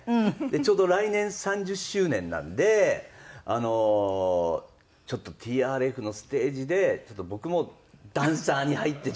ちょうど来年３０周年なんであのちょっとＴＲＦのステージで僕もダンサーに入って。